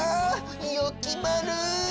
よきまる！